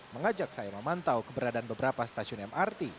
mengajak saya memantau keberadaan beberapa stasiun mrt